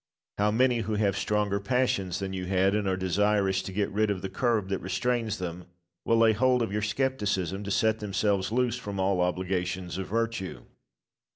How many who have stronger passions than you had, and are desirous to get rid of the curb that restrains them, will lay hold of your scepticism to set themselves loose from all obligations of virtue!